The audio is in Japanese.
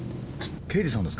刑事さんですか。